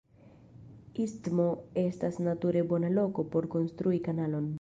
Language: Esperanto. Istmo estas nature bona loko por konstrui kanalon.